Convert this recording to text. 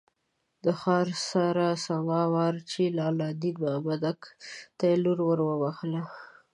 د ښار څړه سما وارچي لال دین مامک ته یې لور ور وبخښله.